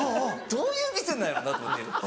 どういう店なんやろうな？と。